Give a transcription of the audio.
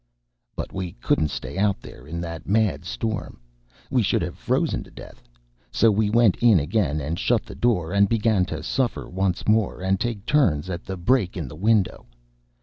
But we couldn't stay out there in that mad storm; we should have frozen to death. So we went in again and shut the door, and began to suffer once more and take turns at the break in the window.